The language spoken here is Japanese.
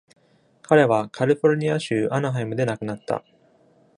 彼はカリフォルニア州アナハイムで亡くなった。